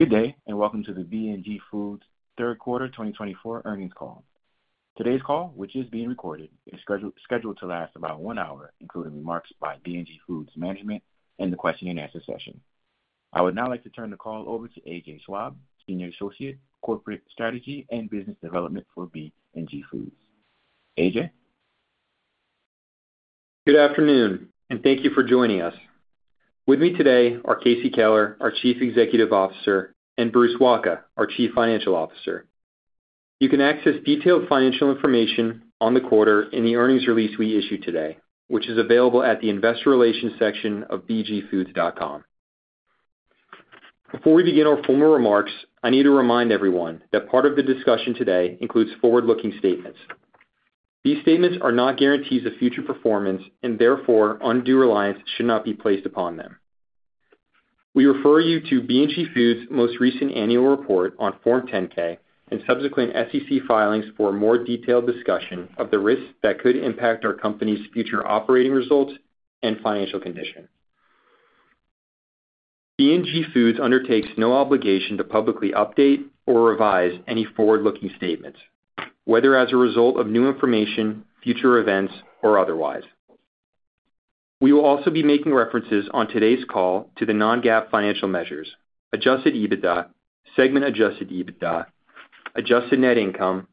Good day, and welcome to the B&G Foods third quarter 2024 earnings call. Today's call, which is being recorded, is scheduled to last about one hour, including remarks by B&G Foods management and the question-and-answer session. I would now like to turn the call over to A.J. Schwab, Senior Associate, Corporate Strategy and Business Development for B&G Foods. AJ? Good afternoon, and thank you for joining us. With me today are Casey Keller, our Chief Executive Officer, and Bruce Wacha, our Chief Financial Officer. You can access detailed financial information on the quarter in the earnings release we issued today, which is available at the Investor Relations section of bgfoods.com. Before we begin our formal remarks, I need to remind everyone that part of the discussion today includes forward-looking statements. These statements are not guarantees of future performance, and therefore, undue reliance should not be placed upon them. We refer you to B&G Foods' most recent annual report on Form 10-K and subsequent SEC filings for a more detailed discussion of the risks that could impact our company's future operating results and financial condition. B&G Foods undertakes no obligation to publicly update or revise any forward-looking statements, whether as a result of new information, future events, or otherwise. We will also be making references on today's call to the non-GAAP financial measures: adjusted EBITDA, segment-adjusted EBITDA, adjusted net income,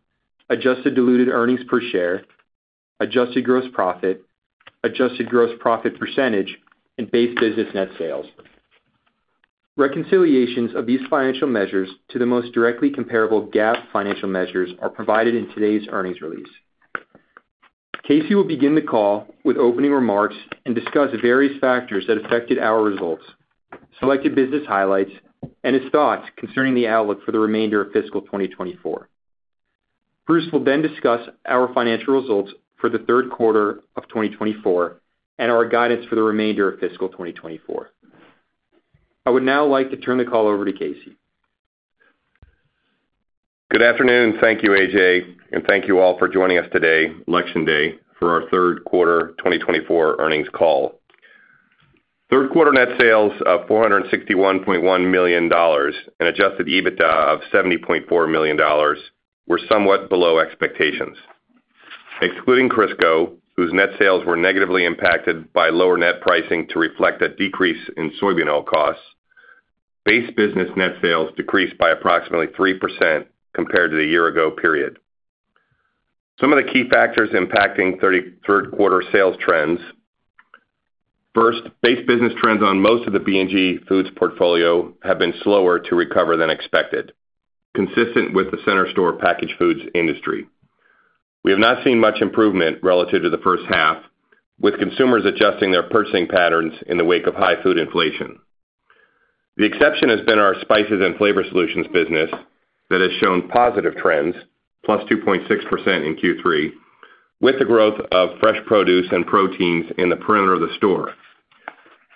adjusted diluted earnings per share, adjusted gross profit, adjusted gross profit percentage, and base business net sales. Reconciliations of these financial measures to the most directly comparable GAAP financial measures are provided in today's earnings release. Casey will begin the call with opening remarks and discuss various factors that affected our results, selected business highlights, and his thoughts concerning the outlook for the remainder of fiscal 2024. Bruce will then discuss our financial results for the third quarter of 2024 and our guidance for the remainder of fiscal 2024. I would now like to turn the call over to Casey. Good afternoon, and thank you, AJ, and thank you all for joining us today, Election Day, for our third quarter 2024 earnings call. Third quarter net sales of $461.1 million and adjusted EBITDA of $70.4 million were somewhat below expectations. Excluding Crisco, whose net sales were negatively impacted by lower net pricing to reflect a decrease in soybean oil costs, base business net sales decreased by approximately 3% compared to the year-ago period. Some of the key factors impacting third quarter sales trends: first, base business trends on most of the B&G Foods portfolio have been slower to recover than expected, consistent with the center store packaged foods industry. We have not seen much improvement relative to the first half, with consumers adjusting their purchasing patterns in the wake of high food inflation. The exception has been our spices and flavor solutions business that has shown positive trends, plus 2.6% in Q3, with the growth of fresh produce and proteins in the perimeter of the store,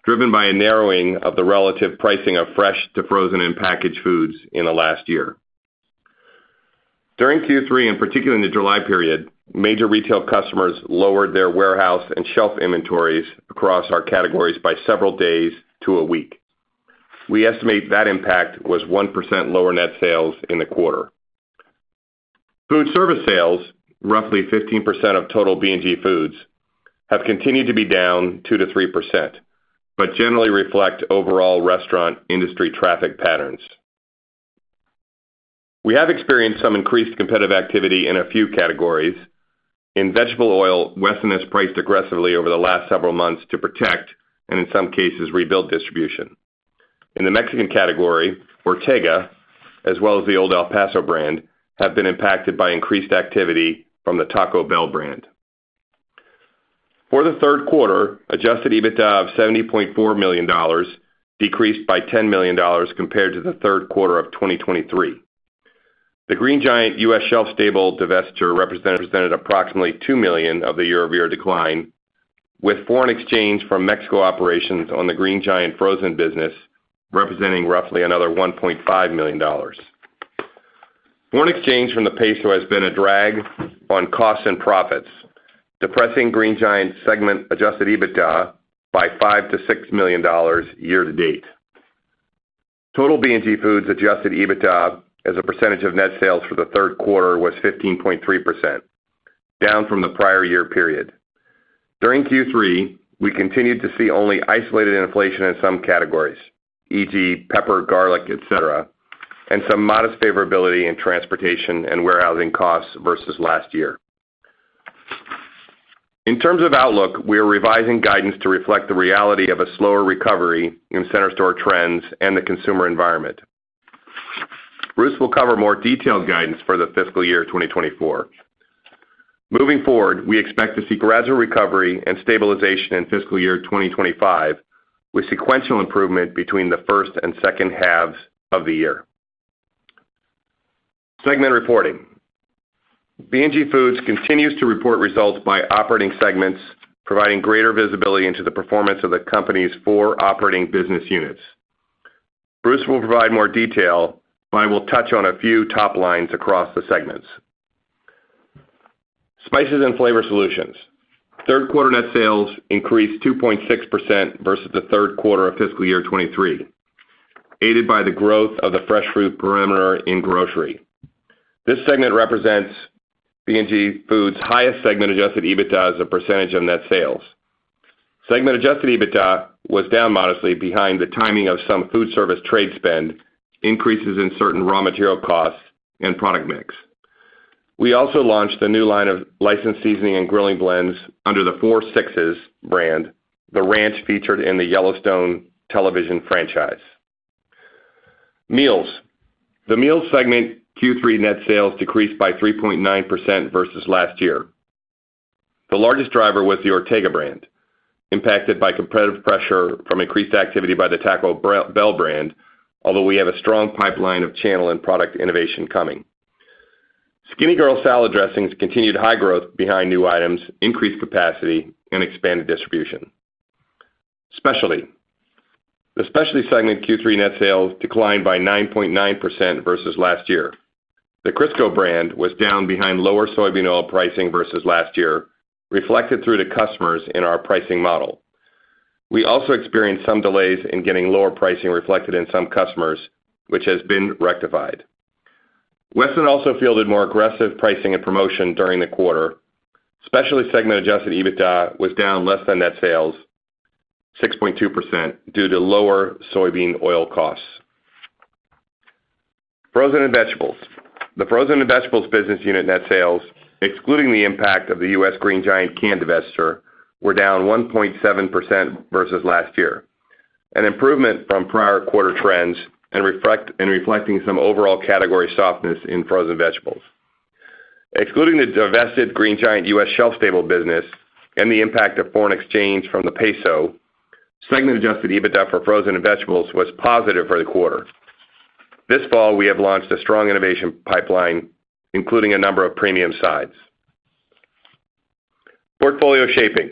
driven by a narrowing of the relative pricing of fresh to frozen and packaged foods in the last year. During Q3, and particularly in the July period, major retail customers lowered their warehouse and shelf inventories across our categories by several days to a week. We estimate that impact was 1% lower net sales in the quarter. Food service sales, roughly 15% of total B&G Foods, have continued to be down 2%-3% but generally reflect overall restaurant industry traffic patterns. We have experienced some increased competitive activity in a few categories. In vegetable oil, Wesson has priced aggressively over the last several months to protect and, in some cases, rebuild distribution. In the Mexican category, Ortega, as well as the Old El Paso brand, have been impacted by increased activity from the Taco Bell brand. For the third quarter, Adjusted EBITDA of $70.4 million decreased by $10 million compared to the third quarter of 2023. The Green Giant U.S. shelf-stable divestiture represented approximately $2 million of the year-over-year decline, with foreign exchange from Mexico operations on the Green Giant frozen business representing roughly another $1.5 million. Foreign exchange from the peso has been a drag on costs and profits, depressing Green Giant Segment-Adjusted EBITDA by $5 million-$6 million year-to-date. Total B&G Foods Adjusted EBITDA, as a percentage of net sales for the third quarter, was 15.3%, down from the prior year period. During Q3, we continued to see only isolated inflation in some categories, e.g., pepper, garlic, etc., and some modest favorability in transportation and warehousing costs versus last year. In terms of outlook, we are revising guidance to reflect the reality of a slower recovery in Center Store trends and the consumer environment. Bruce will cover more detailed guidance for the fiscal year 2024. Moving forward, we expect to see gradual recovery and stabilization in fiscal year 2025, with sequential improvement between the first and second halves of the year. Segment reporting: B&G Foods continues to report results by operating segments, providing greater visibility into the performance of the company's four operating business units. Bruce will provide more detail, but I will touch on a few top lines across the segments. Spices and flavor solutions: Third quarter net sales increased 2.6% versus the third quarter of fiscal year 2023, aided by the growth of the fresh fruit perimeter in grocery. This segment represents B&G Foods' highest Segment-Adjusted EBITDA as a percentage of net sales. Segment-Adjusted EBITDA was down modestly, behind the timing of some food service trade spend, increases in certain raw material costs, and product mix. We also launched a new line of licensed seasoning and grilling blends under the Four Sixes brand, the ranch featured in the Yellowstone television franchise. Meals: The meals segment Q3 net sales decreased by 3.9% versus last year. The largest driver was the Ortega brand, impacted by competitive pressure from increased activity by the Taco Bell brand, although we have a strong pipeline of channel and product innovation coming. Skinnygirl salad dressings continued high growth, behind new items, increased capacity, and expanded distribution. Specialty: The specialty segment Q3 net sales declined by 9.9% versus last year. The Crisco brand was down, behind lower soybean oil pricing versus last year, reflected through to customers in our pricing model. We also experienced some delays in getting lower pricing reflected in some customers, which has been rectified. Wesson also fielded more aggressive pricing and promotion during the quarter. Specialty segment-adjusted EBITDA was down less than net sales, 6.2%, due to lower soybean oil costs. Frozen and vegetables: The frozen and vegetables business unit net sales, excluding the impact of the U.S. Green Giant canned divestiture, were down 1.7% versus last year, an improvement from prior quarter trends and reflecting some overall category softness in frozen vegetables. Excluding the divested Green Giant U.S. shelf stable business and the impact of foreign exchange from the peso, segment-adjusted EBITDA for frozen and vegetables was positive for the quarter. This fall, we have launched a strong innovation pipeline, including a number of premium sides. Portfolio shaping: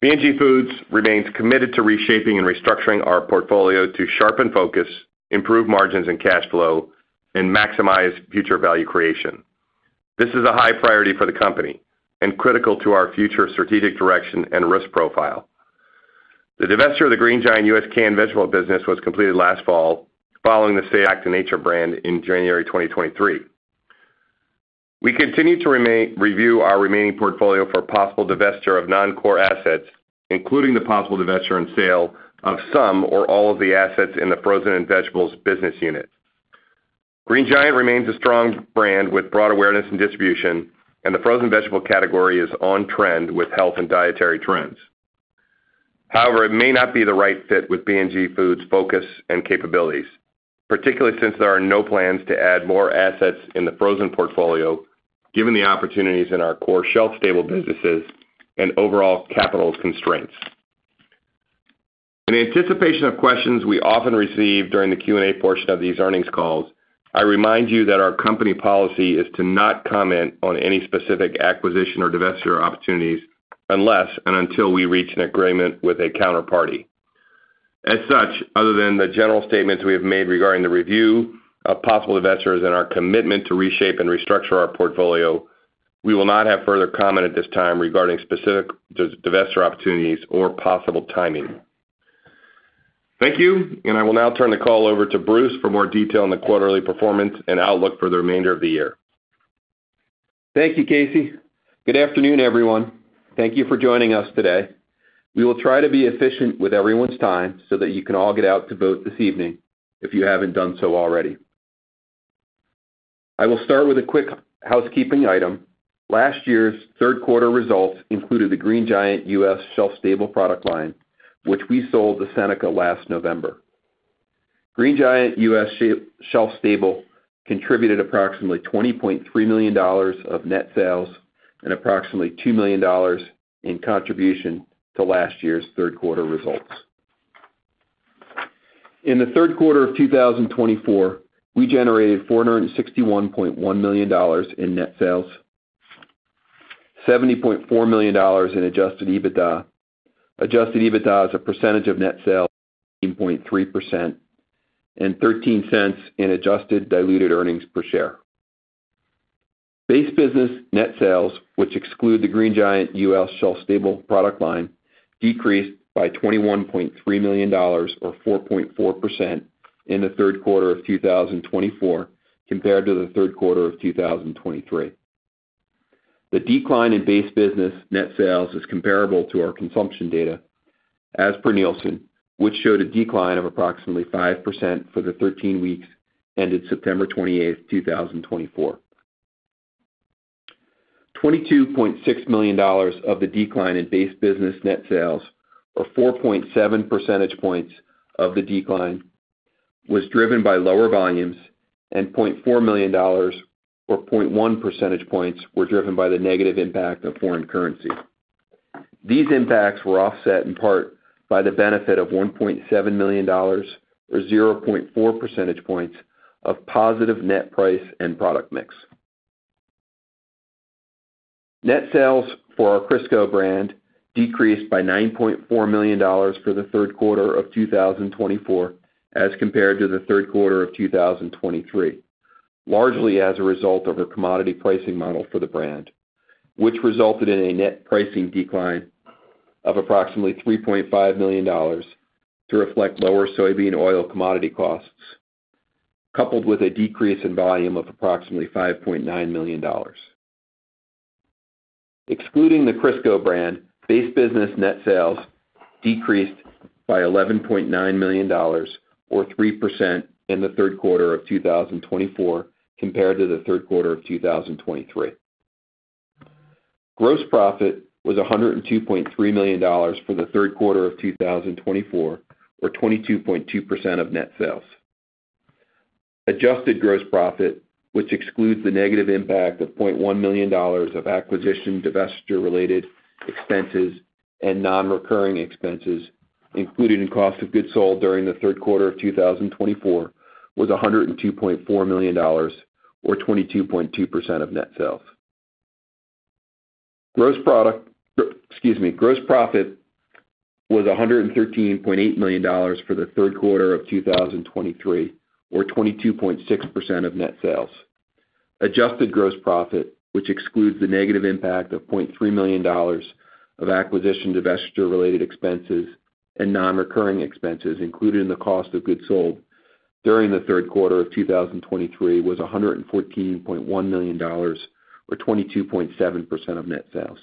B&G Foods remains committed to reshaping and restructuring our portfolio to sharpen focus, improve margins and cash flow, and maximize future value creation. This is a high priority for the company and critical to our future strategic direction and risk profile. The divestiture of the Green Giant U.S. canned vegetable business was completed last fall, following the Back to Nature brand in January 2023. We continue to review our remaining portfolio for possible divestiture of non-core assets, including the possible divestiture and sale of some or all of the assets in the frozen and vegetables business unit. Green Giant remains a strong brand with broad awareness and distribution, and the frozen vegetable category is on trend with health and dietary trends. However, it may not be the right fit with B&G Foods' focus and capabilities, particularly since there are no plans to add more assets in the frozen portfolio, given the opportunities in our core shelf stable businesses and overall capital constraints. In anticipation of questions we often receive during the Q&A portion of these earnings calls, I remind you that our company policy is to not comment on any specific acquisition or divestiture opportunities unless and until we reach an agreement with a counterparty. As such, other than the general statements we have made regarding the review of possible divestitures and our commitment to reshape and restructure our portfolio, we will not have further comment at this time regarding specific divestiture opportunities or possible timing. Thank you, and I will now turn the call over to Bruce for more detail on the quarterly performance and outlook for the remainder of the year. Thank you, Casey. Good afternoon, everyone. Thank you for joining us today. We will try to be efficient with everyone's time so that you can all get out to vote this evening if you haven't done so already. I will start with a quick housekeeping item. Last year's third quarter results included the Green Giant US shelf-stable product line, which we sold to Seneca last November. Green Giant US shelf-stable contributed approximately $20.3 million of net sales and approximately $2 million in contribution to last year's third quarter results. In the third quarter of 2024, we generated $461.1 million in net sales, $70.4 million in adjusted EBITDA. Adjusted EBITDA is a percentage of net sales of 18.3% and $0.13 in adjusted diluted earnings per share. Base business net sales, which exclude the Green Giant US shelf-stable product line, decreased by $21.3 million, or 4.4%, in the third quarter of 2024 compared to the third quarter of 2023. The decline in base business net sales is comparable to our consumption data, as per Nielsen, which showed a decline of approximately 5% for the 13 weeks ended September 28, 2024. $22.6 million of the decline in base business net sales, or 4.7 percentage points of the decline, was driven by lower volumes, and $0.4 million, or 0.1 percentage points, were driven by the negative impact of foreign currency. These impacts were offset in part by the benefit of $1.7 million, or 0.4 percentage points, of positive net price and product mix. Net sales for our Crisco brand decreased by $9.4 million for the third quarter of 2024 as compared to the third quarter of 2023, largely as a result of our commodity pricing model for the brand, which resulted in a net pricing decline of approximately $3.5 million to reflect lower soybean oil commodity costs, coupled with a decrease in volume of approximately $5.9 million. Excluding the Crisco brand, base business net sales decreased by $11.9 million, or 3%, in the third quarter of 2024 compared to the third quarter of 2023. Gross profit was $102.3 million for the third quarter of 2024, or 22.2% of net sales. Adjusted gross profit, which excludes the negative impact of $0.1 million of acquisition divestiture-related expenses and non-recurring expenses included in cost of goods sold during the third quarter of 2024, was $102.4 million, or 22.2% of net sales. Gross profit was $113.8 million for the third quarter of 2023, or 22.6% of net sales. Adjusted gross profit, which excludes the negative impact of $0.3 million of acquisition divestiture-related expenses and non-recurring expenses included in the cost of goods sold during the third quarter of 2023, was $114.1 million, or 22.7% of net sales.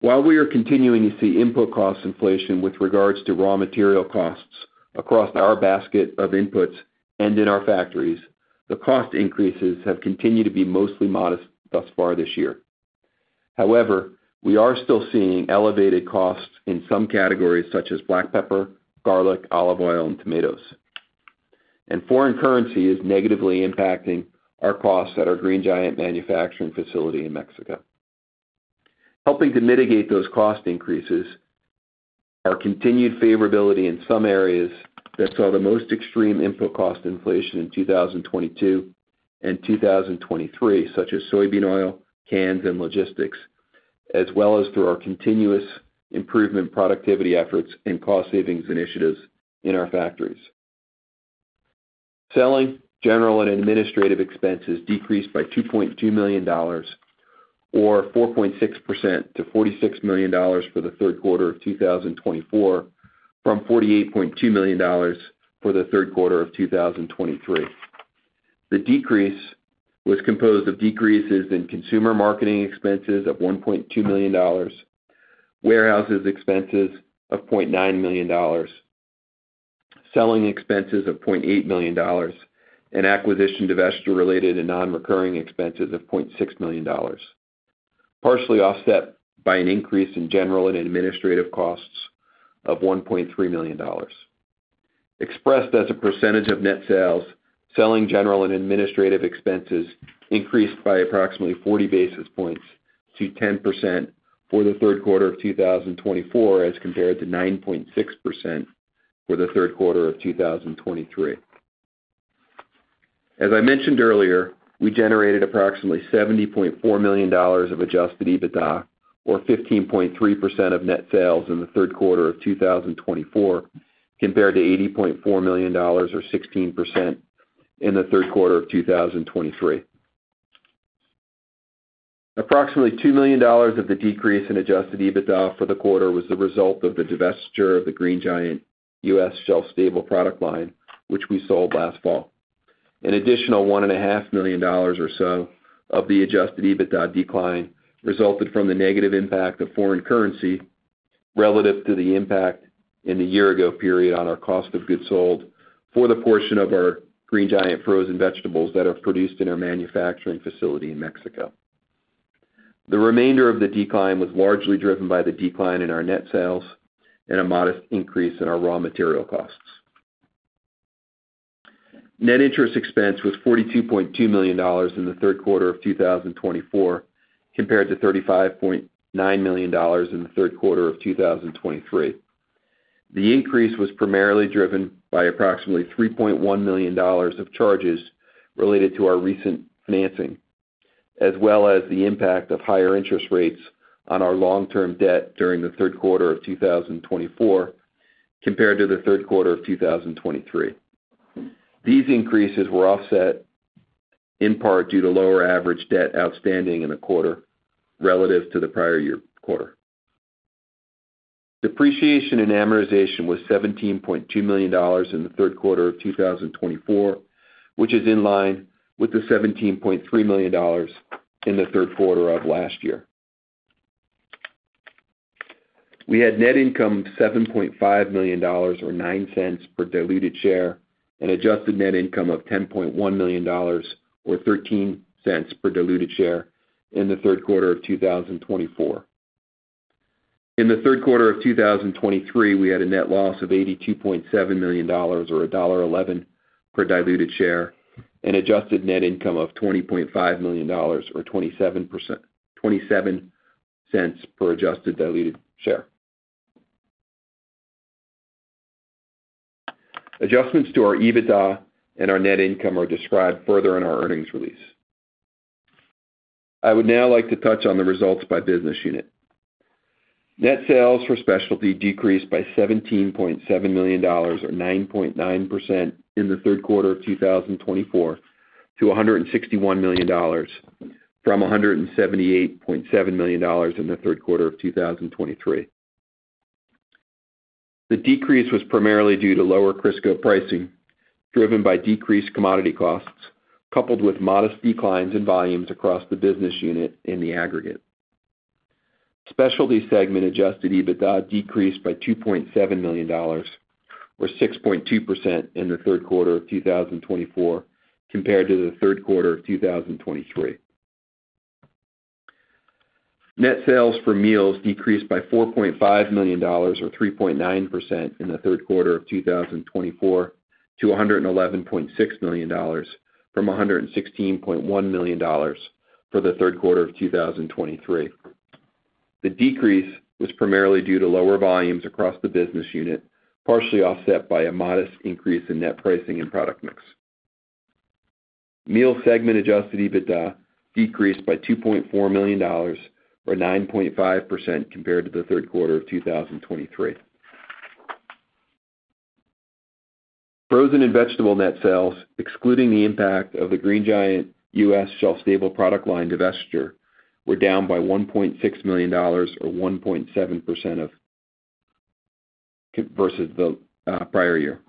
While we are continuing to see input cost inflation with regards to raw material costs across our basket of inputs and in our factories, the cost increases have continued to be mostly modest thus far this year. However, we are still seeing elevated costs in some categories, such as black pepper, garlic, olive oil, and tomatoes, and foreign currency is negatively impacting our costs at our Green Giant manufacturing facility in Mexico. Helping to mitigate those cost increases are continued favorability in some areas that saw the most extreme input cost inflation in 2022 and 2023, such as soybean oil, cans, and logistics, as well as through our continuous improvement productivity efforts and cost savings initiatives in our factories. Selling, general, and administrative expenses decreased by $2.2 million, or 4.6%, to $46 million for the third quarter of 2024, from $48.2 million for the third quarter of 2023. The decrease was composed of decreases in consumer marketing expenses of $1.2 million, warehouse expenses of $0.9 million, selling expenses of $0.8 million, and acquisition divestiture-related and non-recurring expenses of $0.6 million, partially offset by an increase in general and administrative costs of $1.3 million. Expressed as a percentage of net sales, selling, general, and administrative expenses increased by approximately 40 basis points to 10% for the third quarter of 2024 as compared to 9.6% for the third quarter of 2023. As I mentioned earlier, we generated approximately $70.4 million of adjusted EBITDA, or 15.3% of net sales in the third quarter of 2024, compared to $80.4 million, or 16%, in the third quarter of 2023. Approximately $2 million of the decrease in adjusted EBITDA for the quarter was the result of the divestiture of the Green Giant U.S. shelf-stable product line, which we sold last fall. An additional $1.5 million or so of the adjusted EBITDA decline resulted from the negative impact of foreign currency relative to the impact in the year-ago period on our cost of goods sold for the portion of our Green Giant frozen vegetables that are produced in our manufacturing facility in Mexico. The remainder of the decline was largely driven by the decline in our net sales and a modest increase in our raw material costs. Net interest expense was $42.2 million in the third quarter of 2024 compared to $35.9 million in the third quarter of 2023. The increase was primarily driven by approximately $3.1 million of charges related to our recent financing, as well as the impact of higher interest rates on our long-term debt during the third quarter of 2024 compared to the third quarter of 2023. These increases were offset in part due to lower average debt outstanding in the quarter relative to the prior year quarter. Depreciation and amortization was $17.2 million in the third quarter of 2024, which is in line with the $17.3 million in the third quarter of last year. We had net income of $7.5 million, or $0.09 per diluted share, and adjusted net income of $10.1 million, or $0.13 per diluted share in the third quarter of 2024. In the third quarter of 2023, we had a net loss of $82.7 million, or $1.11 per diluted share, and adjusted net income of $20.5 million, or $0.27 per adjusted diluted share. Adjustments to our EBITDA and our net income are described further in our earnings release. I would now like to touch on the results by business unit. Net sales for specialty decreased by $17.7 million, or 9.9%, in the third quarter of 2024 to $161 million, from $178.7 million in the third quarter of 2023. The decrease was primarily due to lower Crisco pricing driven by decreased commodity costs, coupled with modest declines in volumes across the business unit in the aggregate. Specialty segment Adjusted EBITDA decreased by $2.7 million, or 6.2%, in the third quarter of 2024 compared to the third quarter of 2023. Net sales for meals decreased by $4.5 million, or 3.9%, in the third quarter of 2024 to $111.6 million, from $116.1 million for the third quarter of 2023. The decrease was primarily due to lower volumes across the business unit, partially offset by a modest increase in net pricing and product mix. Meal segment Adjusted EBITDA decreased by $2.4 million, or 9.5%, compared to the third quarter of 2023. Frozen and vegetable net sales, excluding the impact of the Green Giant US.shelf-stable product line divestiture, were down by $1.6 million, or 1.7%, versus the prior year.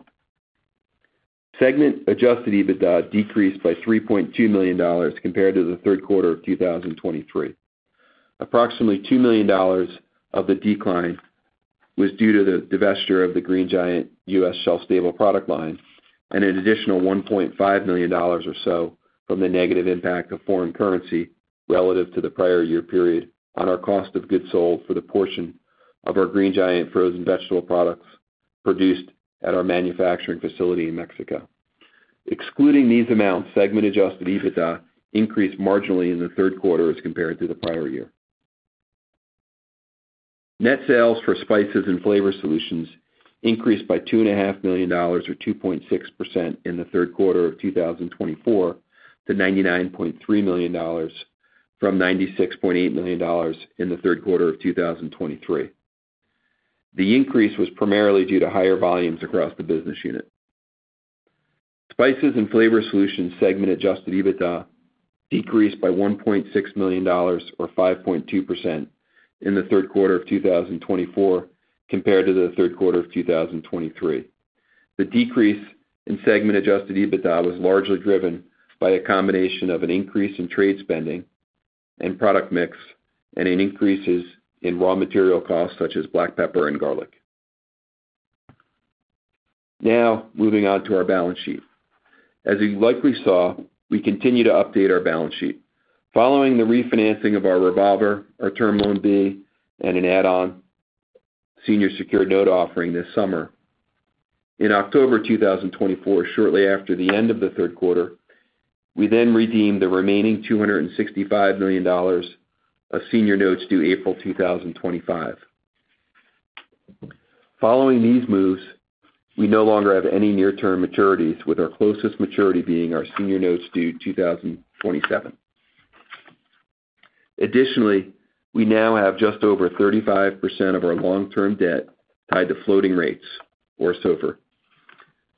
Segment-Adjusted EBITDA decreased by $3.2 million compared to the third quarter of 2023. Approximately $2 million of the decline was due to the divestiture of the Green Giant US. shelf-stable product line and an additional $1.5 million or so from the negative impact of foreign currency relative to the prior year period on our cost of goods sold for the portion of our Green Giant frozen vegetable products produced at our manufacturing facility in Mexico. Excluding these amounts, Segment-Adjusted EBITDA increased marginally in the third quarter as compared to the prior year. Net sales for spices and flavor solutions increased by $2.5 million, or 2.6%, in the third quarter of 2024 to $99.3 million, from $96.8 million in the third quarter of 2023. The increase was primarily due to higher volumes across the business unit. Spices and flavor solutions segment-adjusted Adjusted EBITDA decreased by $1.6 million, or 5.2%, in the third quarter of 2024 compared to the third quarter of 2023. The decrease in segment-adjusted Adjusted EBITDA was largely driven by a combination of an increase in trade spending and product mix and increases in raw material costs such as black pepper and garlic. Now, moving on to our balance sheet. As you likely saw, we continue to update our balance sheet. Following the refinancing of our revolver, our Term Loan B and an add-on senior secured note offering this summer, in October 2024, shortly after the end of the third quarter, we then redeemed the remaining $265 million of senior notes due April 2025. Following these moves, we no longer have any near-term maturities, with our closest maturity being our senior notes due 2027. Additionally, we now have just over 35% of our long-term debt tied to floating rates, or SOFR.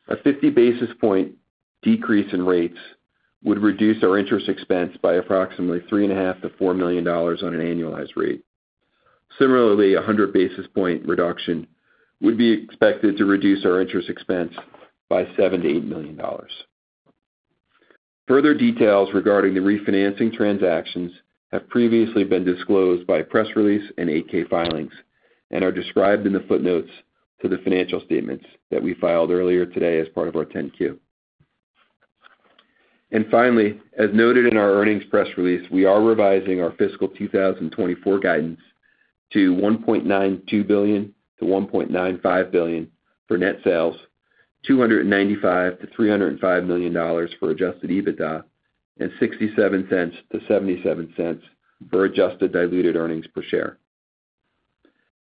A 50 basis point decrease in rates would reduce our interest expense by approximately $3.5-$4 million on an annualized rate. Similarly, a 100 basis point reduction would be expected to reduce our interest expense by $7 million-$8 million. Further details regarding the refinancing transactions have previously been disclosed by press release and 8-K filings and are described in the footnotes to the financial statements that we filed earlier today as part of our 10-Q. Finally, as noted in our earnings press release, we are revising our fiscal 2024 guidance to $1.92 billion-$1.95 billion for Net Sales, $295 million-$305 million for Adjusted EBITDA, and $0.67-$0.77 for Adjusted Diluted Earnings Per Share.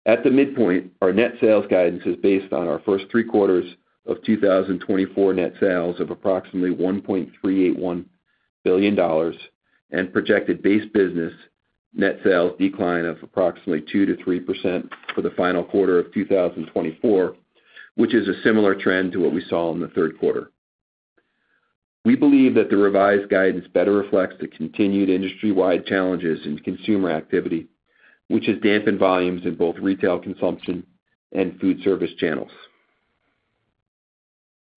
At the midpoint, our Net Sales guidance is based on our first three quarters of 2024 Net Sales of approximately $1.381 billion and projected Base Business Net Sales decline of approximately 2%-3% for the final quarter of 2024, which is a similar trend to what we saw in the third quarter. We believe that the revised guidance better reflects the continued industry-wide challenges in consumer activity, which has dampened volumes in both retail consumption and food service channels.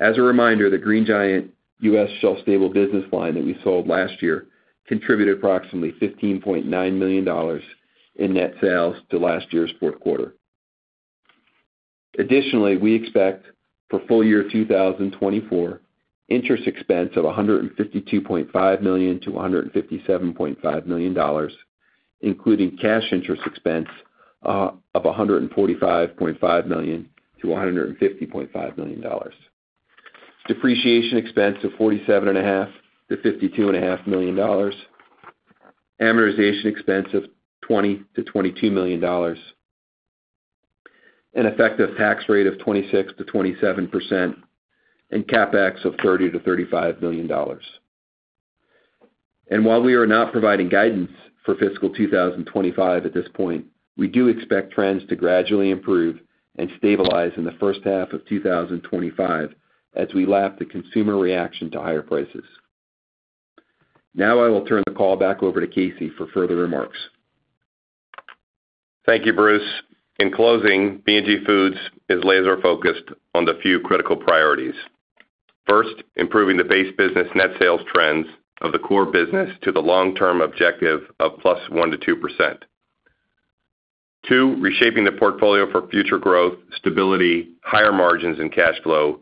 As a reminder, the Green Giant US shelf-stable business line that we sold last year contributed approximately $15.9 million in net sales to last year's fourth quarter. Additionally, we expect for full year 2024, interest expense of $152.5 million-$157.5 million, including cash interest expense of $145.5 million-$150.5 million, depreciation expense of $47.5-$52.5 million, amortization expense of $20-$22 million, an effective tax rate of 26%-27%, and CapEx of $30 million-$35 million, and while we are not providing guidance for fiscal 2025 at this point, we do expect trends to gradually improve and stabilize in the first half of 2025 as we lap the consumer reaction to higher prices. Now I will turn the call back over to Casey for further remarks. Thank you, Bruce. In closing, B&G Foods is laser-focused on the few critical priorities. First, improving the base business net sales trends of the core business to the long-term objective of plus 1% to 2%. Two, reshaping the portfolio for future growth, stability, higher margins, and cash flow,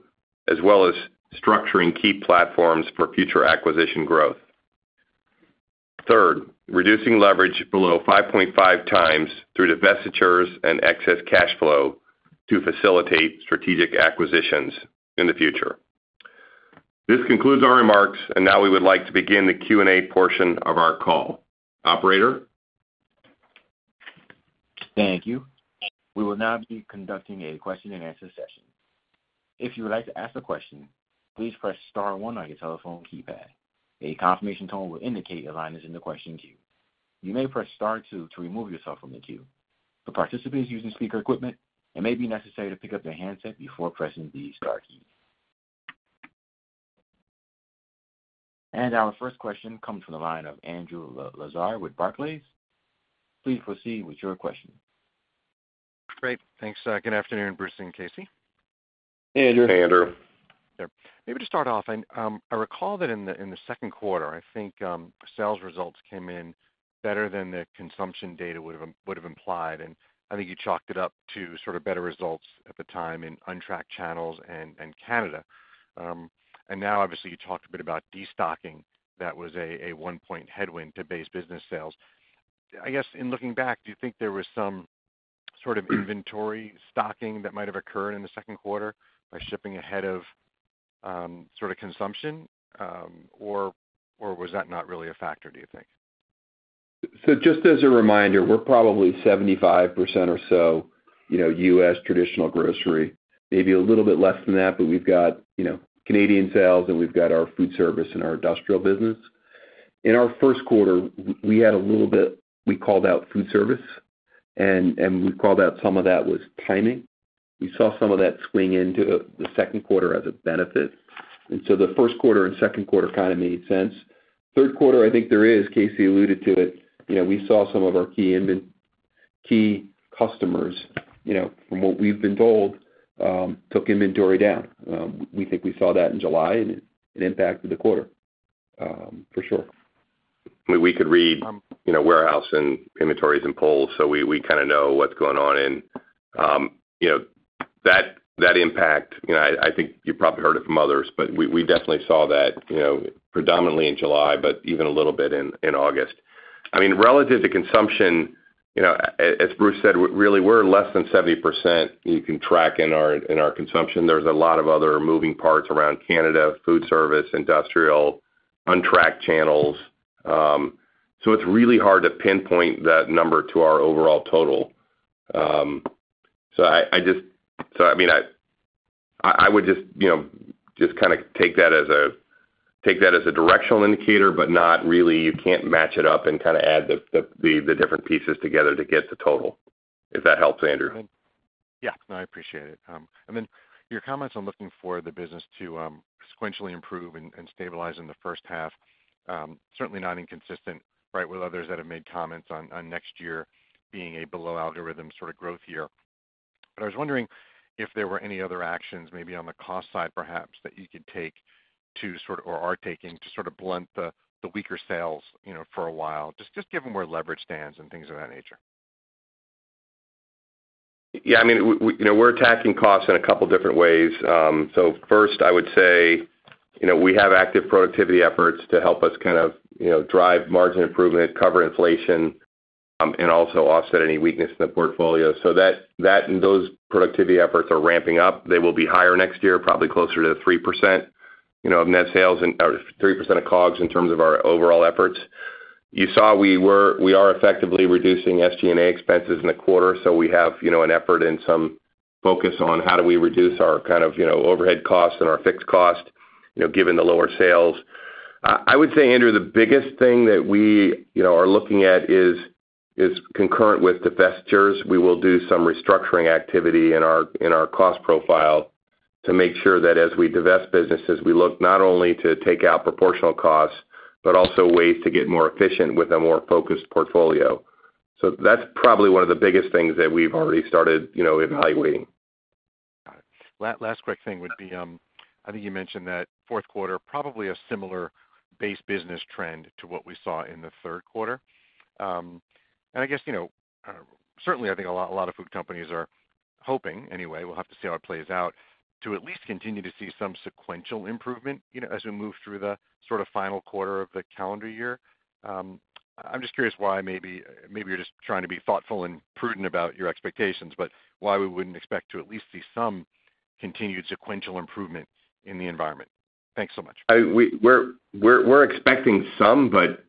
as well as structuring key platforms for future acquisition growth. Third, reducing leverage below 5.5 times through divestitures and excess cash flow to facilitate strategic acquisitions in the future. This concludes our remarks, and now we would like to begin the Q&A portion of our call. Operator? Thank you. We will now be conducting a question-and-answer session. If you would like to ask a question, please press star one on your telephone keypad. A confirmation tone will indicate your line is in the question queue. You may press Star two to remove yourself from the queue. For participants using speaker equipment, it may be necessary to pick up their handset before pressing the star key. And our first question comes from the line of Andrew Lazar with Barclays. Please proceed with your question. Great. Thanks. Good afternoon, Bruce and Casey. Hey, Andrew. Hey, Andrew. Maybe to start off, I recall that in the second quarter, I think sales results came in better than the consumption data would have implied, and I think you chalked it up to sort of better results at the time in untracked channels and Canada. And now, obviously, you talked a bit about destocking that was a one-point headwind to base business sales. I guess, in looking back, do you think there was some sort of inventory stocking that might have occurred in the second quarter by shipping ahead of sort of consumption, or was that not really a factor, do you think? So just as a reminder, we're probably 75% or so U.S. traditional grocery, maybe a little bit less than that, but we've got Canadian sales, and we've got our food service and our industrial business. In our first quarter, we had a little bit we called out food service, and we called out some of that was timing. We saw some of that swing into the second quarter as a benefit. And so the first quarter and second quarter kind of made sense. Third quarter, I think there is, Casey alluded to it. We saw some of our key customers, from what we've been told, took inventory down. We think we saw that in July, and it impacted the quarter, for sure. We could read warehouse and inventories and polls, so we kind of know what's going on. And that impact, I think you probably heard it from others, but we definitely saw that predominantly in July, but even a little bit in August. I mean, relative to consumption, as Bruce said, really, we're less than 70% you can track in our consumption. There's a lot of other moving parts around Canada, food service, industrial, untracked channels. So it's really hard to pinpoint that number to our overall total. So I mean, I would just kind of take that as a directional indicator, but not really. You can't match it up and kind of add the different pieces together to get the total, if that helps, Andrew. Yeah. No, I appreciate it. And then your comments on looking for the business to sequentially improve and stabilize in the first half, certainly not inconsistent, right, with others that have made comments on next year being a below-algorithm sort of growth year. But I was wondering if there were any other actions, maybe on the cost side, perhaps, that you could take to sort of or are taking to sort of blunt the weaker sales for a while, just given where leverage stands and things of that nature? Yeah. I mean, we're attacking costs in a couple of different ways. So first, I would say we have active productivity efforts to help us kind of drive margin improvement, cover inflation, and also offset any weakness in the portfolio. So that and those productivity efforts are ramping up. They will be higher next year, probably closer to 3% of net sales and or 3% of COGS in terms of our overall efforts. You saw we are effectively reducing SG&A expenses in the quarter, so we have an effort and some focus on how do we reduce our kind of overhead costs and our fixed cost, given the lower sales. I would say, Andrew, the biggest thing that we are looking at is concurrent with divestitures. We will do some restructuring activity in our cost profile to make sure that as we divest businesses, we look not only to take out proportional costs, but also ways to get more efficient with a more focused portfolio. So that's probably one of the biggest things that we've already started evaluating. Got it. Last quick thing would be. I think you mentioned that fourth quarter, probably a similar base business trend to what we saw in the third quarter, and I guess, certainly, I think a lot of food companies are hoping, anyway. We'll have to see how it plays out, to at least continue to see some sequential improvement as we move through the sort of final quarter of the calendar year. I'm just curious why maybe you're just trying to be thoughtful and prudent about your expectations, but why we wouldn't expect to at least see some continued sequential improvement in the environment. Thanks so much. We're expecting some, but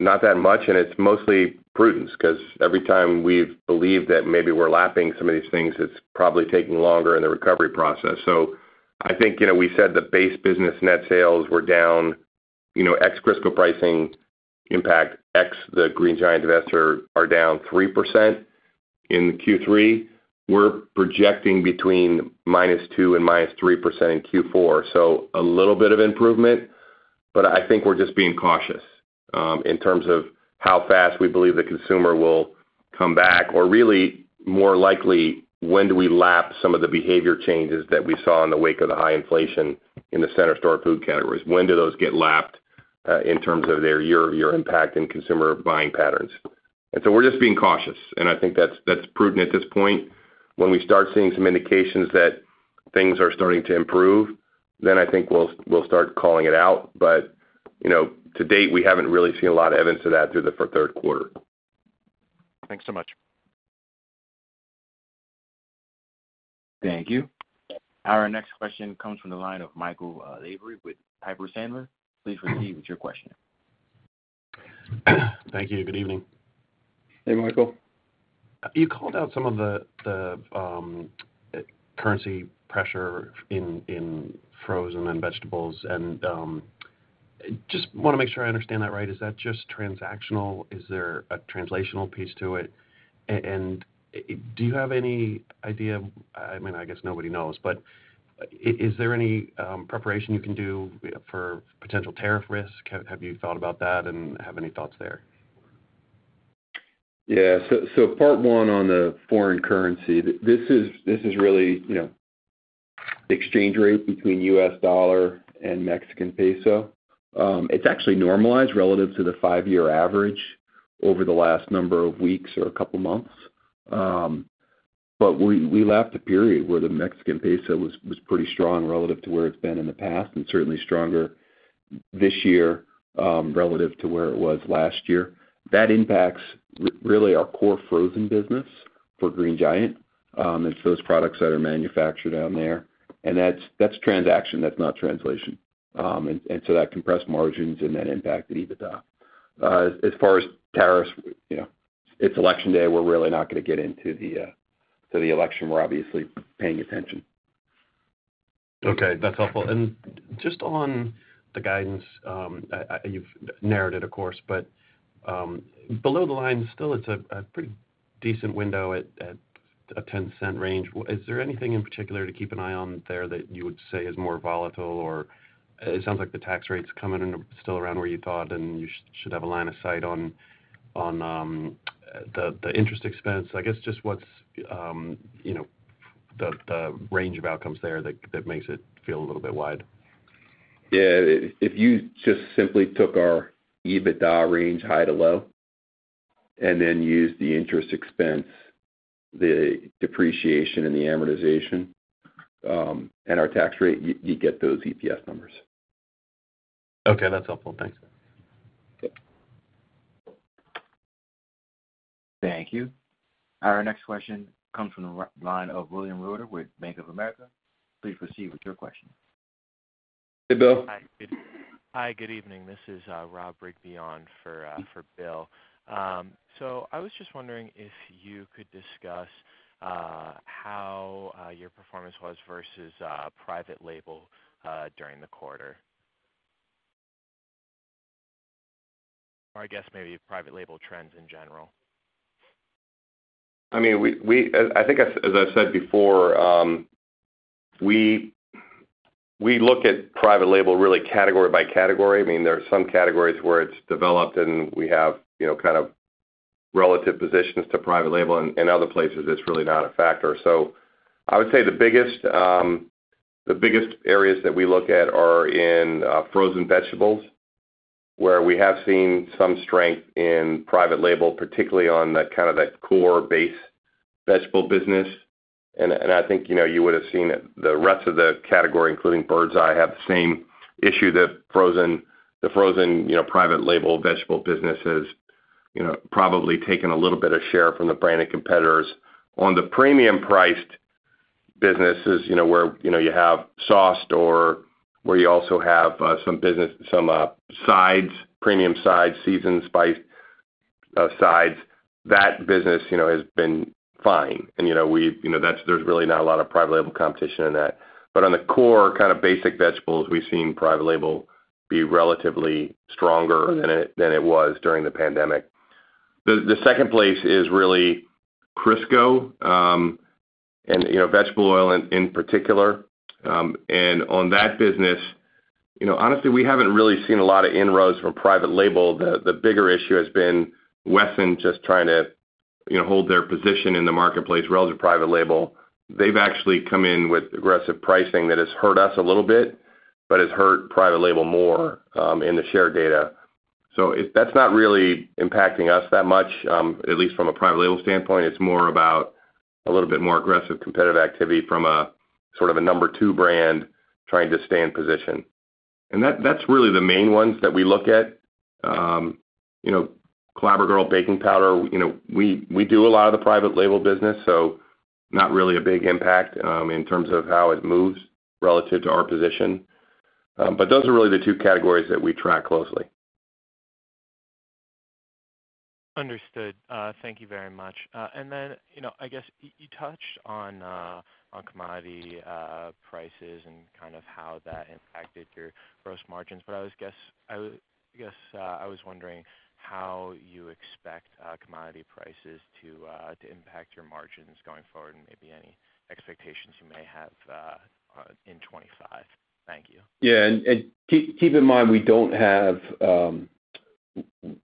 not that much, and it's mostly prudence because every time we've believed that maybe we're lapping some of these things, it's probably taking longer in the recovery process. So I think we said the base business net sales were down, ex Crisco pricing impact, ex the Green Giant divestiture are down 3% in Q3. We're projecting between -2% and -3% in Q4, so a little bit of improvement, but I think we're just being cautious in terms of how fast we believe the consumer will come back, or really more likely, when do we lap some of the behavior changes that we saw in the wake of the high inflation in the Center Store food categories? When do those get lapped in terms of their year-over-year impact in consumer buying patterns? And so we're just being cautious, and I think that's prudent at this point. When we start seeing some indications that things are starting to improve, then I think we'll start calling it out. But to date, we haven't really seen a lot of evidence of that through the third quarter. Thanks so much. Thank you. Our next question comes from the line of Michael Lavery with Piper Sandler. Please proceed with your question. Thank you. Good evening. Hey, Michael. You called out some of the currency pressure in frozen and vegetables, and just want to make sure I understand that right. Is that just transactional? Is there a translational piece to it? And do you have any idea? I mean, I guess nobody knows, but is there any preparation you can do for potential tariff risk? Have you thought about that and have any thoughts there? Yeah. So part one on the foreign currency, this is really the exchange rate between U.S. dollar and Mexican peso. It's actually normalized relative to the five-year average over the last number of weeks or a couple of months. But we lapped a period where the Mexican peso was pretty strong relative to where it's been in the past and certainly stronger this year relative to where it was last year. That impacts really our core frozen business for Green Giant. It's those products that are manufactured down there. And that's transaction. That's not translation. And so that compressed margins and that impacted EBITDA. As far as tariffs, it's election day. We're really not going to get into the election. We're obviously paying attention. Okay. That's helpful. And just on the guidance, you've narrowed it, of course, but below the line, still, it's a pretty decent window at a $0.10 range. Is there anything in particular to keep an eye on there that you would say is more volatile? Or it sounds like the tax rates come in still around where you thought, and you should have a line of sight on the interest expense. I guess just what's the range of outcomes there that makes it feel a little bit wide? Yeah. If you just simply took our EBITDA range, high to low, and then used the interest expense, the depreciation, and the amortization, and our tax rate, you'd get those EPS numbers. Okay. That's helpful. Thanks. Thank you. Our next question comes from the line of William Reuter with Bank of America. Please proceed with your question. Hey, Bill. Hi. Good evening. This is [Rob Rigby] for Bill. So I was just wondering if you could discuss how your performance was versus private label during the quarter, or I guess maybe private label trends in general. I mean, I think, as I've said before, we look at private label really category by category. I mean, there are some categories where it's developed, and we have kind of relative positions to private label. In other places, it's really not a factor. So I would say the biggest areas that we look at are in frozen vegetables, where we have seen some strength in private label, particularly on kind of that core base vegetable business. And I think you would have seen the rest of the category, including Birds Eye, have the same issue that the frozen private label vegetable business has probably taken a little bit of share from the branded competitors. On the premium-priced businesses, where you have sauce or where you also have some sides, premium sides, seasoned spiced sides, that business has been fine. There's really not a lot of private label competition in that. On the core kind of basic vegetables, we've seen private label be relatively stronger than it was during the pandemic. The second place is really Crisco and vegetable oil in particular. On that business, honestly, we haven't really seen a lot of inroads from private label. The bigger issue has been Wesson just trying to hold their position in the marketplace relative to private label. They've actually come in with aggressive pricing that has hurt us a little bit but has hurt private label more in the shared data. That's not really impacting us that much, at least from a private label standpoint. It's more about a little bit more aggressive competitive activity from sort of a number two brand trying to stay in position. That's really the main ones that we look at. Clabber Girl baking powder, we do a lot of the private label business, so not really a big impact in terms of how it moves relative to our position. But those are really the two categories that we track closely. Understood. Thank you very much. And then I guess you touched on commodity prices and kind of how that impacted your gross margins, but I guess I was wondering how you expect commodity prices to impact your margins going forward and maybe any expectations you may have in 2025. Thank you. Yeah. And keep in mind,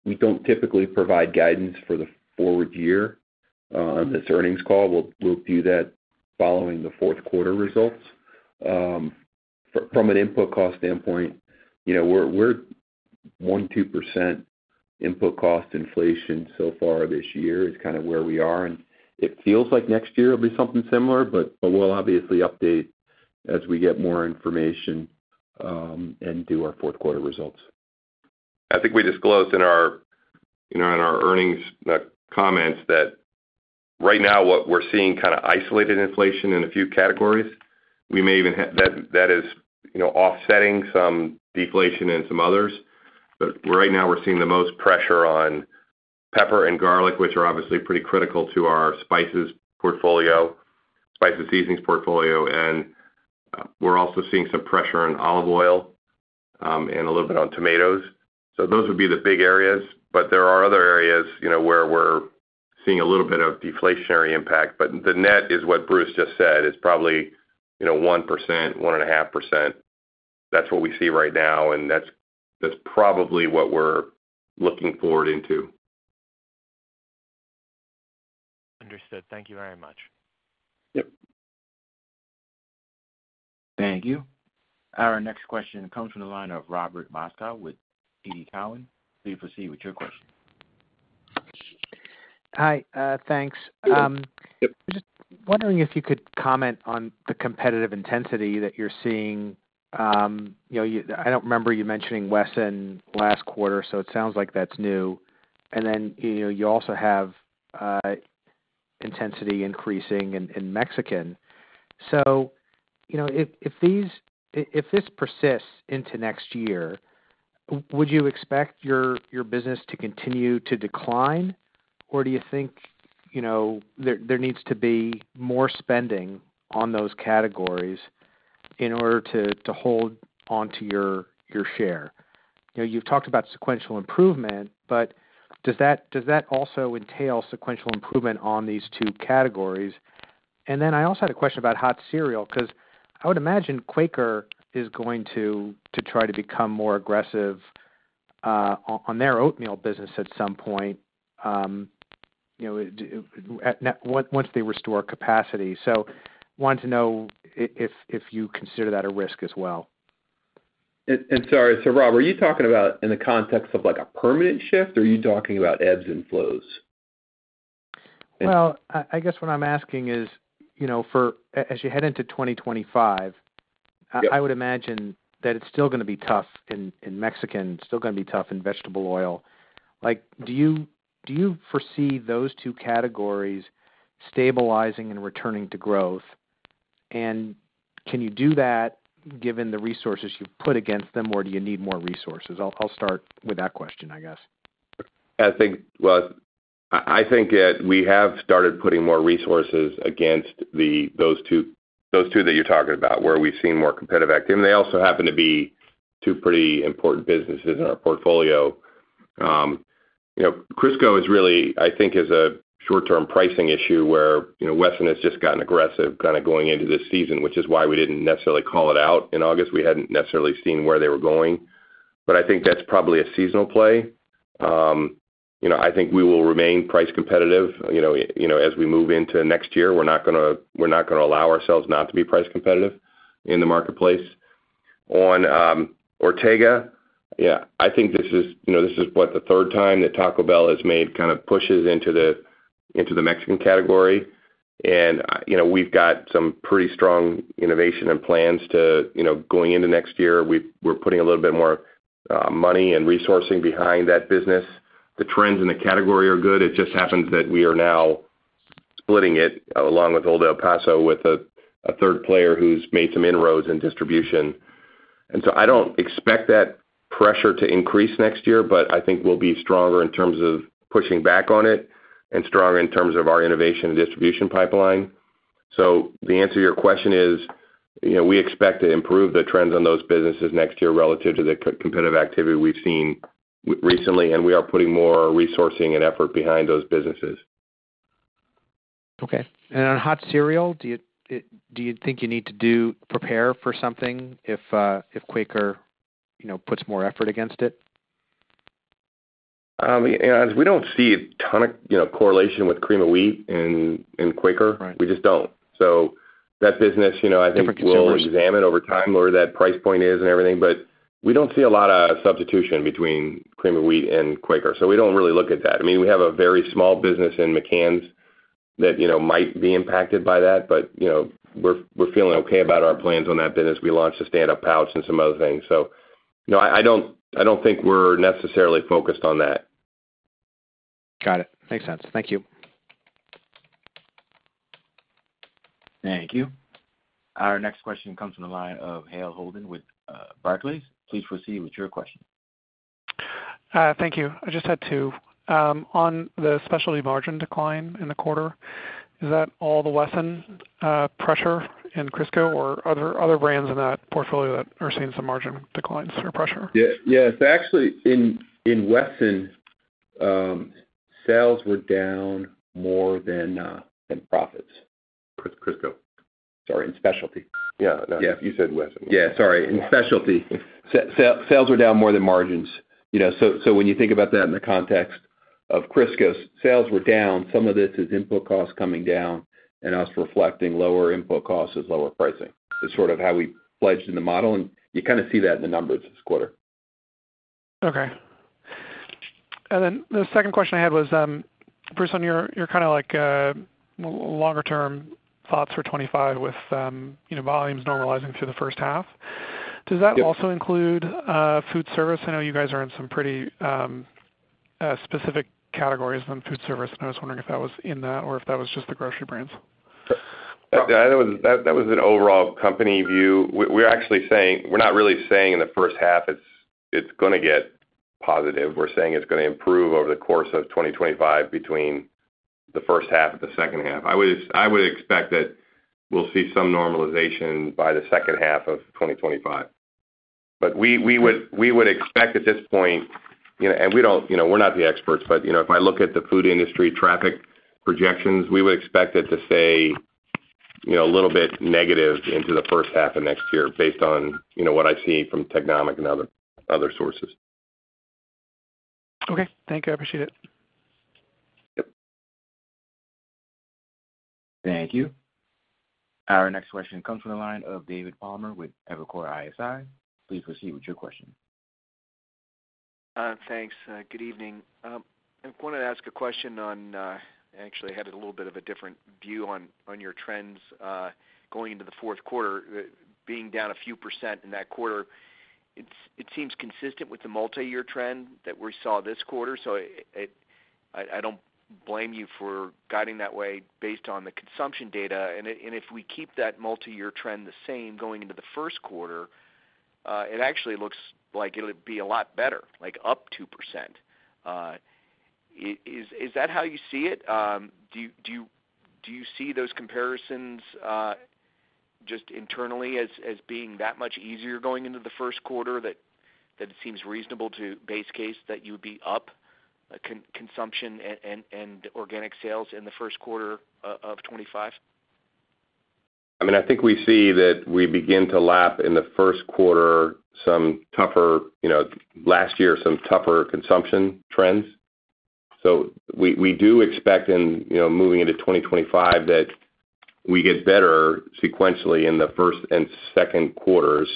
we don't typically provide guidance for the forward year on this earnings call. We'll do that following the fourth quarter results. From an input cost standpoint, we're 1%-2% input cost inflation so far this year is kind of where we are. And it feels like next year will be something similar, but we'll obviously update as we get more information and do our fourth quarter results. I think we disclosed in our earnings comments that right now, what we're seeing kind of isolated inflation in a few categories. We may even have that is offsetting some deflation and some others. But right now, we're seeing the most pressure on pepper and garlic, which are obviously pretty critical to our spices portfolio, spices seasonings portfolio. And we're also seeing some pressure on olive oil and a little bit on tomatoes. So those would be the big areas. But there are other areas where we're seeing a little bit of deflationary impact. But the net is what Bruce just said, is probably 1%, 1.5%. That's what we see right now, and that's probably what we're looking forward into. Understood. Thank you very much. Yep. Thank you. Our next question comes from the line of Robert Moskow with TD Cowen. Please proceed with your question. Hi. Thanks. Just wondering if you could comment on the competitive intensity that you're seeing. I don't remember you mentioning Wesson last quarter, so it sounds like that's new. And then you also have intensity increasing in Mexican. So if this persists into next year, would you expect your business to continue to decline, or do you think there needs to be more spending on those categories in order to hold onto your share? You've talked about sequential improvement, but does that also entail sequential improvement on these two categories? And then I also had a question about hot cereal because I would imagine Quaker is going to try to become more aggressive on their oatmeal business at some point once they restore capacity. Wanted to know if you consider that a risk as well. Sorry, so Rob, are you talking about in the context of a permanent shift, or are you talking about ebbs and flows? I guess what I'm asking is, as you head into 2025, I would imagine that it's still going to be tough in Mexican, still going to be tough in vegetable oil. Do you foresee those two categories stabilizing and returning to growth? And can you do that given the resources you've put against them, or do you need more resources? I'll start with that question, I guess. I think that we have started putting more resources against those two that you're talking about, where we've seen more competitive activity. They also happen to be two pretty important businesses in our portfolio. Crisco is really, I think, a short-term pricing issue where Wesson has just gotten aggressive kind of going into this season, which is why we didn't necessarily call it out in August. We hadn't necessarily seen where they were going. But I think that's probably a seasonal play. I think we will remain price competitive as we move into next year. We're not going to allow ourselves not to be price competitive in the marketplace. On Ortega, yeah, I think this is what the third time that Taco Bell has made kind of pushes into the Mexican category. And we've got some pretty strong innovation and plans going into next year. We're putting a little bit more money and resourcing behind that business. The trends in the category are good. It just happens that we are now splitting it along with Old El Paso with a third player who's made some inroads in distribution. And so I don't expect that pressure to increase next year, but I think we'll be stronger in terms of pushing back on it and stronger in terms of our innovation and distribution pipeline. So the answer to your question is we expect to improve the trends on those businesses next year relative to the competitive activity we've seen recently, and we are putting more resourcing and effort behind those businesses. Okay. And on hot cereal, do you think you need to prepare for something if Quaker puts more effort against it? We don't see a ton of correlation with Cream of Wheat and Quaker. We just don't. So that business, I think, we'll examine over time where that price point is and everything. But we don't see a lot of substitution between Cream of Wheat and Quaker. So we don't really look at that. I mean, we have a very small business in McCann's that might be impacted by that, but we're feeling okay about our plans on that business. We launched a stand-up pouch and some other things. So I don't think we're necessarily focused on that. Got it. Makes sense. Thank you. Thank you. Our next question comes from the line of Hale Holden with Barclays. Please proceed with your question. Thank you. I just had two. On the specialty margin decline in the quarter, is that all the Wesson pressure in Crisco or other brands in that portfolio that are seeing some margin declines or pressure? Yeah. So actually, in Wesson, sales were down more than profits. Crisco. Sorry, in specialty. Yeah. You said Wesson. Yeah. Sorry. In specialty, sales were down more than margins. So when you think about that in the context of Crisco's, sales were down. Some of this is input costs coming down and us reflecting lower input costs as lower pricing. It's sort of how we pledged in the model, and you kind of see that in the numbers this quarter. Okay. And then the second question I had was, Bruce, on your kind of longer-term thoughts for 2025 with volumes normalizing through the first half, does that also include food service? I know you guys are in some pretty specific categories than food service. And I was wondering if that was in that or if that was just the grocery brands. That was an overall company view. We're not really saying in the first half it's going to get positive. We're saying it's going to improve over the course of 2025 between the first half and the second half. I would expect that we'll see some normalization by the second half of 2025. But we would expect at this point, and we're not the experts, but if I look at the food industry traffic projections, we would expect it to stay a little bit negative into the first half of next year based on what I see from Technomic and other sources. Okay. Thank you. I appreciate it. Yep. Thank you. Our next question comes from the line of David Palmer with Evercore ISI. Please proceed with your question. Thanks. Good evening. I wanted to ask a question on actually, I had a little bit of a different view on your trends going into the fourth quarter, being down a few% in that quarter. It seems consistent with the multi-year trend that we saw this quarter. So I don't blame you for guiding that way based on the consumption data. And if we keep that multi-year trend the same going into the first quarter, it actually looks like it'll be a lot better, like up 2%. Is that how you see it? Do you see those comparisons just internally as being that much easier going into the first quarter that it seems reasonable to base case that you would be up consumption and organic sales in the first quarter of 2025? I mean, I think we see that we begin to lap in the first quarter some tougher last year, some tougher consumption trends. So we do expect in moving into 2025 that we get better sequentially in the first and second quarters,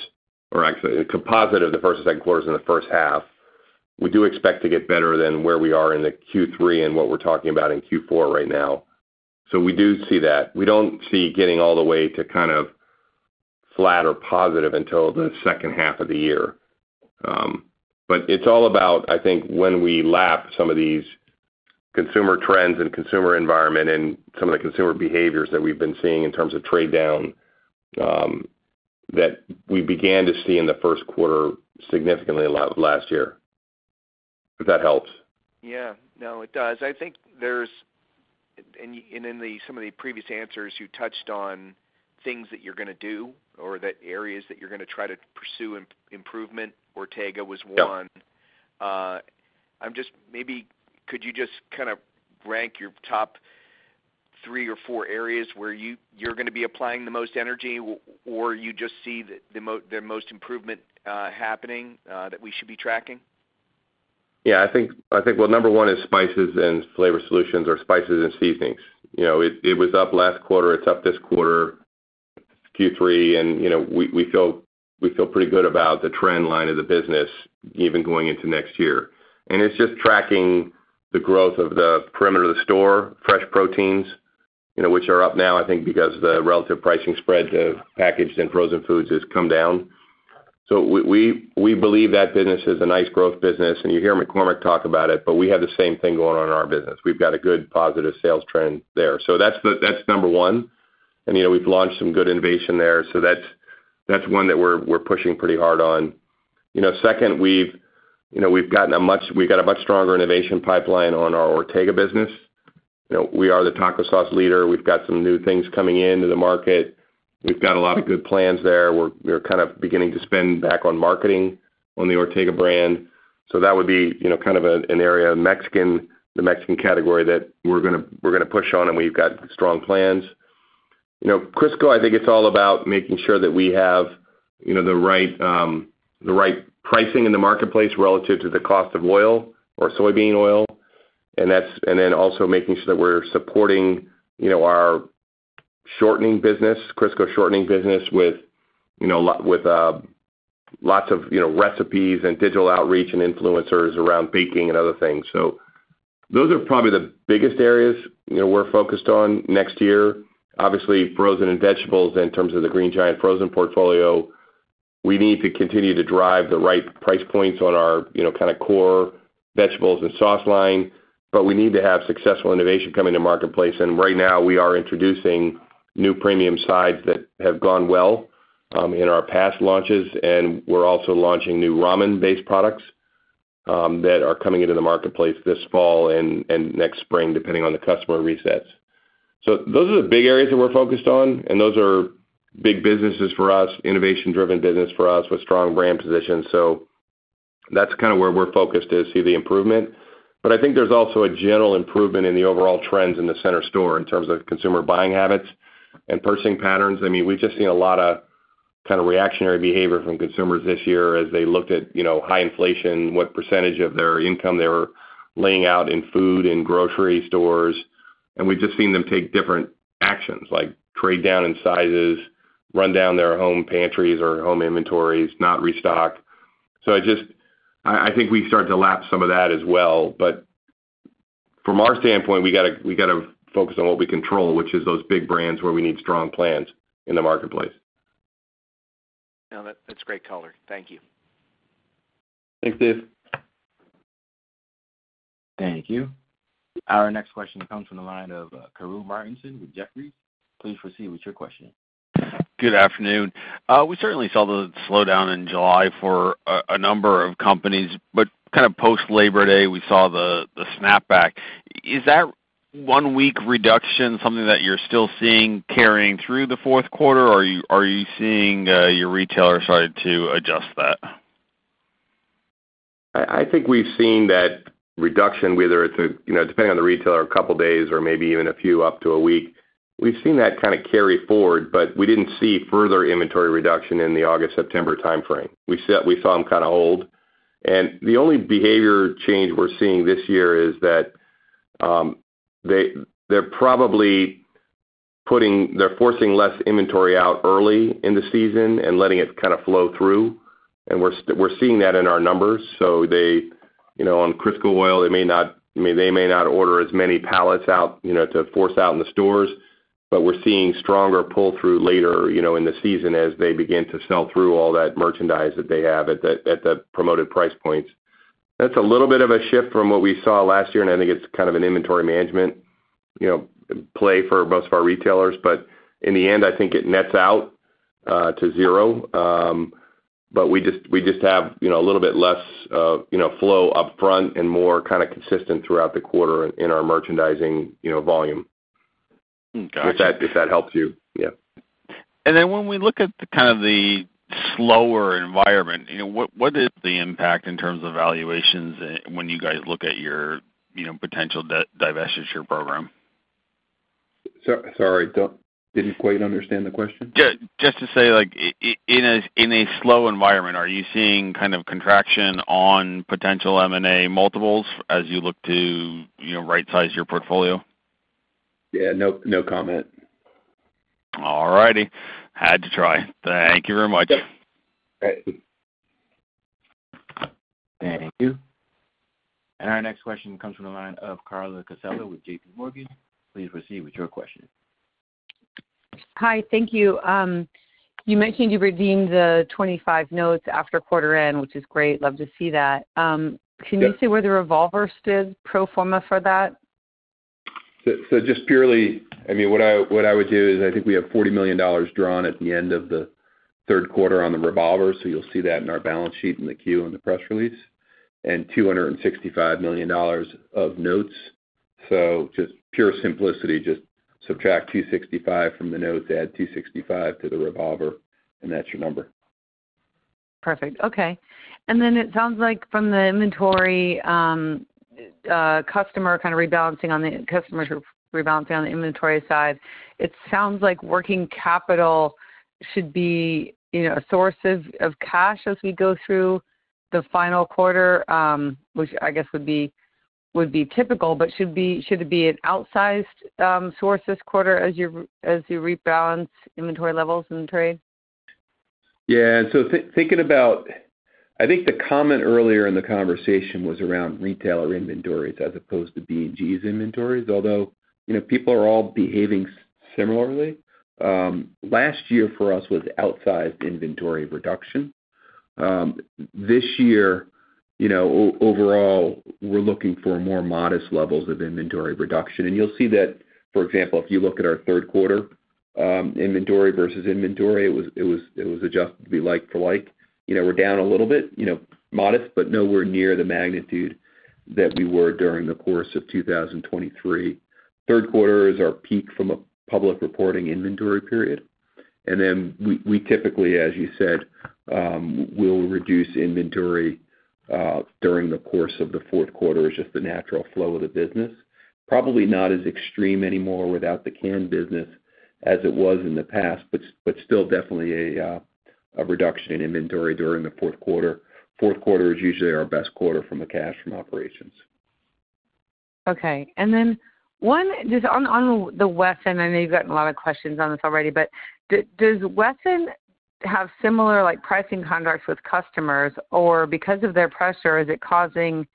or actually, a composite of the first and second quarters in the first half. We do expect to get better than where we are in the Q3 and what we're talking about in Q4 right now. So we do see that. We don't see getting all the way to kind of flat or positive until the second half of the year. But it's all about, I think, when we lap some of these consumer trends and consumer environment and some of the consumer behaviors that we've been seeing in terms of trade down that we began to see in the first quarter significantly last year, if that helps. Yeah. No, it does. I think there's in some of the previous answers, you touched on things that you're going to do or that areas that you're going to try to pursue improvement. Ortega was one. Maybe could you just kind of rank your top three or four areas where you're going to be applying the most energy, or you just see the most improvement happening that we should be tracking? Yeah. I think, well, number one is spices and flavor solutions or spices and seasonings. It was up last quarter. It's up this quarter, Q3. And we feel pretty good about the trend line of the business even going into next year. And it's just tracking the growth of the perimeter of the store, fresh proteins, which are up now, I think, because the relative pricing spread of packaged and frozen foods has come down. So we believe that business is a nice growth business. And you hear McCormick talk about it, but we have the same thing going on in our business. We've got a good positive sales trend there. So that's number one. And we've launched some good innovation there. So that's one that we're pushing pretty hard on. Second, we've got a much stronger innovation pipeline on our Ortega business. We are the taco sauce leader. We've got some new things coming into the market. We've got a lot of good plans there. We're kind of beginning to spend back on marketing on the Ortega brand. So that would be kind of an area of the Mexican category that we're going to push on, and we've got strong plans. Crisco, I think it's all about making sure that we have the right pricing in the marketplace relative to the cost of oil or soybean oil. And then also making sure that we're supporting our shortening business, Crisco shortening business with lots of recipes and digital outreach and influencers around baking and other things. So those are probably the biggest areas we're focused on next year. Obviously, frozen and vegetables in terms of the Green Giant frozen portfolio. We need to continue to drive the right price points on our kind of core vegetables and sauce line, but we need to have successful innovation coming to marketplace. And right now, we are introducing new premium sides that have gone well in our past launches. And we're also launching new ramen-based products that are coming into the marketplace this fall and next spring, depending on the customer resets. So those are the big areas that we're focused on, and those are big businesses for us, innovation-driven business for us with strong brand positions. So that's kind of where we're focused to see the improvement. But I think there's also a general improvement in the overall trends in the Center Store in terms of consumer buying habits and purchasing patterns. I mean, we've just seen a lot of kind of reactionary behavior from consumers this year as they looked at high inflation, what percentage of their income they were laying out in food and grocery stores. And we've just seen them take different actions like trade down in sizes, run down their home pantries or home inventories, not restock. So I think we start to lap some of that as well. But from our standpoint, we got to focus on what we control, which is those big brands where we need strong plans in the marketplace. No, that's great color. Thank you. Thanks, Dave. Thank you. Our next question comes from the line of Karru Martinson with Jefferies. Please proceed with your question. Good afternoon. We certainly saw the slowdown in July for a number of companies, but kind of post-Labor Day, we saw the snapback. Is that one-week reduction something that you're still seeing carrying through the fourth quarter, or are you seeing your retailer starting to adjust that? I think we've seen that reduction, whether it's depending on the retailer, a couple of days or maybe even a few up to a week. We've seen that kind of carry forward, but we didn't see further inventory reduction in the August-September timeframe. We saw them kind of hold. and the only behavior change we're seeing this year is that they're forcing less inventory out early in the season and letting it kind of flow through. And we're seeing that in our numbers. So on Crisco oil, they may not order as many pallets out to force out in the stores, but we're seeing stronger pull-through later in the season as they begin to sell through all that merchandise that they have at the promoted price points. That's a little bit of a shift from what we saw last year, and I think it's kind of an inventory management play for most of our retailers. But in the end, I think it nets out to zero. But we just have a little bit less flow upfront and more kind of consistent throughout the quarter in our merchandising volume. If that helps you. Yeah. And then when we look at kind of the slower environment, what is the impact in terms of valuations when you guys look at your potential divestiture program? Sorry. Didn't quite understand the question. Just to say, in a slow environment, are you seeing kind of contraction on potential M&A multiples as you look to right-size your portfolio? Yeah. No comment. All righty. Had to try. Thank you very much. Thank you. And our next question comes from the line of Carla Casella with J.P. Morgan. Please proceed with your question. Hi. Thank you. You mentioned you redeemed the 25 notes after quarter-end, which is great. Love to see that. Can you see where the revolvers stood pro forma for that? So just purely, I mean, what I would do is I think we have $40 million drawn at the end of the third quarter on the revolver. So you'll see that in our balance sheet in the 10-Q and the press release and $265 million of notes. So just pure simplicity, just subtract 265 from the notes, add 265 to the revolver, and that's your number. Perfect. Okay. And then it sounds like from the inventory customer kind of rebalancing on the customers who are rebalancing on the inventory side, it sounds like working capital should be a source of cash as we go through the final quarter, which I guess would be typical, but should it be an outsized source this quarter as you rebalance inventory levels in the trade? Yeah. So thinking about, I think the comment earlier in the conversation was around retailer inventories as opposed to B&G's inventories, although people are all behaving similarly. Last year for us was outsized inventory reduction. This year, overall, we're looking for more modest levels of inventory reduction, and you'll see that, for example, if you look at our third quarter inventory versus inventory, it was adjusted to be like for like. We're down a little bit, modest, but nowhere near the magnitude that we were during the course of 2023. Third quarter is our peak from a public reporting inventory period, and then we typically, as you said, will reduce inventory during the course of the fourth quarter, is just the natural flow of the business. Probably not as extreme anymore without the canned business as it was in the past, but still definitely a reduction in inventory during the fourth quarter. Fourth quarter is usually our best quarter from a cash from operations. Okay. And then on the Wesson, I know you've gotten a lot of questions on this already, but does Wesson have similar pricing contracts with customers, or because of their pressure, is it causing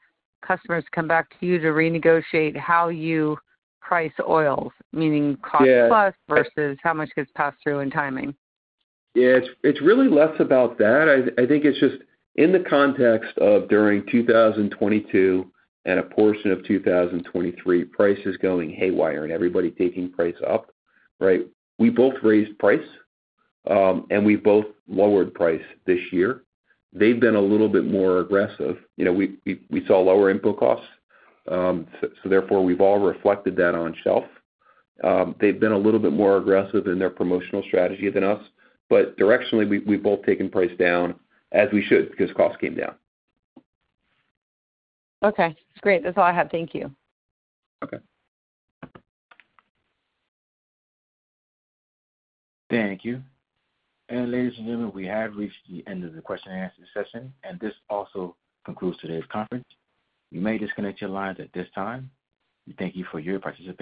customers to come back to you to renegotiate how you price oils, meaning cost plus versus how much gets passed through in timing? Yeah. It's really less about that. I think it's just in the context of during 2022 and a portion of 2023, price is going haywire and everybody taking price up, right? We both raised price, and we both lowered price this year. They've been a little bit more aggressive. We saw lower input costs. So therefore, we've all reflected that on shelf. They've been a little bit more aggressive in their promotional strategy than us. But directionally, we've both taken price down as we should because cost came down. Okay. Great. That's all I have. Thank you. Okay. Thank you, and ladies and gentlemen, we have reached the end of the question and answer session, and this also concludes today's conference. You may disconnect your lines at this time. We thank you for your participation.